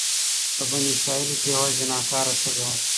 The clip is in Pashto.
په بني اسرائيلو کي يوه زناکاره ښځه وه،